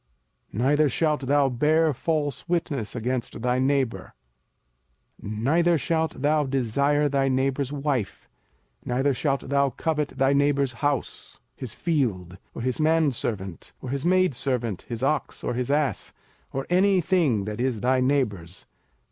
05:005:020 Neither shalt thou bear false witness against thy neighbour. 05:005:021 Neither shalt thou desire thy neighbour's wife, neither shalt thou covet thy neighbour's house, his field, or his manservant, or his maidservant, his ox, or his ass, or any thing that is thy neighbour's.